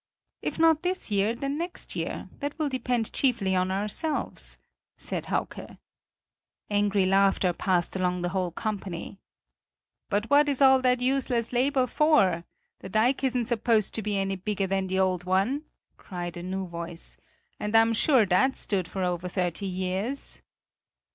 "If not this year, then next year; that will depend chiefly on ourselves," said Hauke. Angry laughter passed along the whole company. "But what is all that useless labor for? The dike isn't supposed to be any bigger than the old one;" cried a new voice; "and I'm sure that's stood for over thirty years."